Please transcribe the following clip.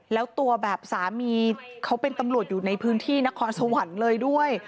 แล้วตัวแบบสามีเขาเป็นตำรวจอยู่ในพื้นที่นครสวรรค์เลยด้วย